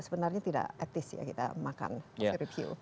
sebenarnya tidak etis ya kita makan sirip hiu